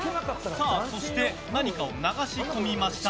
そして何かを流し込みました。